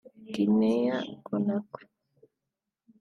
Guinea Conakry